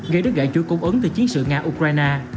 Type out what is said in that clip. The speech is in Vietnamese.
gây đứt gãy chuỗi cung ứng từ chiến sự nga ukraine